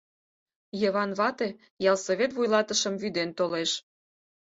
Йыван вате ялсовет вуйлатышым вӱден толеш.